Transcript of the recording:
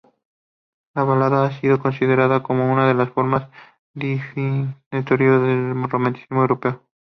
La balada ha sido considerada como una de las formas definitorias del romanticismo europeo.